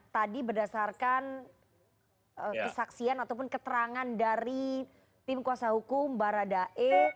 tadi berdasarkan kesaksian ataupun keterangan dari tim kuasa hukum baradae